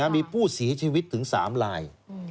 มีผู้เสียชีวิตถึง๓ลาย